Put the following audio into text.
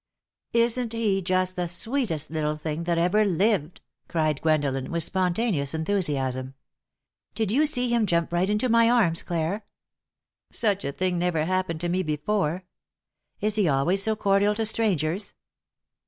"Isn't he just the sweetest little thing that ever lived!" cried Gwendolen, with spontaneous enthusiasm. "Did you see him jump right into my arms, Clare? Such a thing never happened to me before. Is he always so cordial to strangers?"